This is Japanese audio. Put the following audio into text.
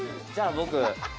じゃあ僕」